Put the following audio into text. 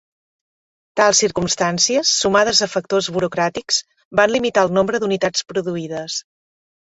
Tals circumstàncies, sumades a factors burocràtics, van limitar el nombre d'unitats produïdes.